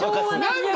何だ？